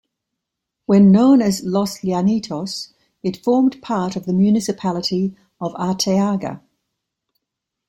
When known as Los Llanitos, it formed part of the municipality of Arteaga.